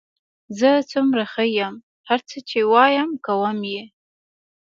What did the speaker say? زه څومره ښه یم، هر څه چې وایې کوم یې.